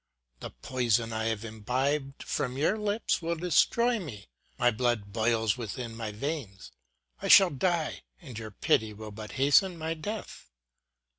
The poison I have imbibed from your lips will destroy me, my blood boils within my veins ; I shall die, and your pity will but hasten my death.